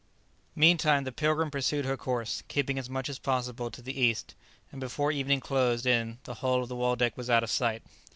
Meantime the "Pilgrim" pursued her course, keeping as much as possible to the east, and before evening closed in the hull of the "Waldeck" was out of sight.